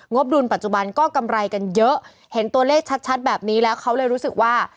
บดุลปัจจุบันก็กำไรกันเยอะเห็นตัวเลขชัดแบบนี้แล้วเขาเลยรู้สึกว่า